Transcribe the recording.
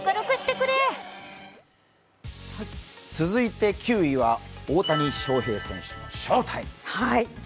続いて９位は大谷翔平選手の翔タイム。